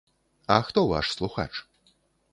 А хто ваш слухач?